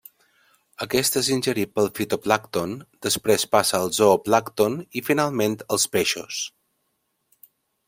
Aquest és ingerit pel fitoplàncton, després passa al zooplàncton i finalment als peixos.